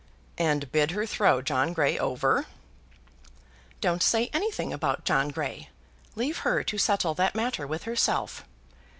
"And bid her throw John Grey over!" "Don't say anything about John Grey; leave her to settle that matter with herself.